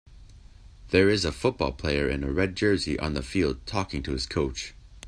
There is a football player in a red jersey on the field talking to his coach.